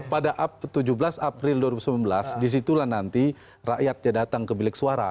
pada tujuh belas april dua ribu sembilan belas disitulah nanti rakyatnya datang ke bilik suara